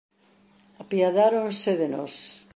Apiadáronse de nós.